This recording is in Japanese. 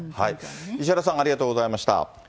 石原さん、ありがとうございました。